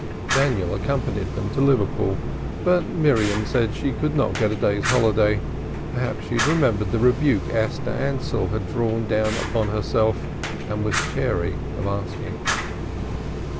Daniel accompanied them to Liverpool, but Miriam said she could not get a day's holiday perhaps she remembered the rebuke Esther Ansell had drawn down on herself, and was chary of asking.